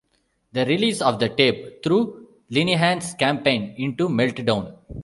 The release of the tape threw Lenihan's campaign into meltdown.